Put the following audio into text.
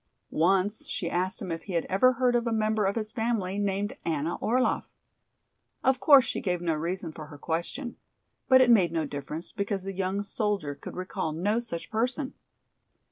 Once she asked him if he had ever heard of a member of his family named "Anna Orlaff." Of course she gave no reason for her question. But it made no difference, because the young soldier could recall no such person.